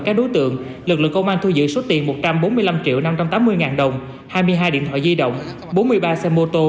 công an thu giữ số tiền một trăm bốn mươi năm triệu năm trăm tám mươi ngàn đồng hai mươi hai điện thoại di động bốn mươi ba xe mô tô